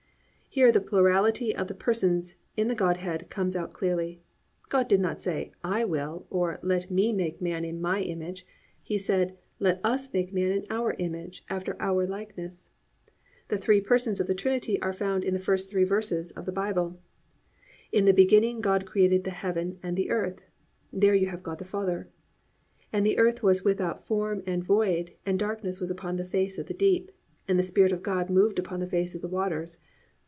"+ Here the plurality of the persons in the Godhead comes out clearly. God did not say, "I will" or "Let me make man in my image." He said, "Let us make man in our image, after our likeness." The three persons of the Trinity are found in the first three verses of the Bible: +"In the beginning God created the heaven and the earth."+ There you have God the Father. +"And the earth was without form and void; and darkness was upon the face of the deep. And the Spirit of God moved upon the face of the waters."